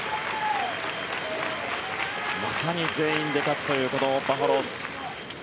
まさに全員で勝つというバファローズ。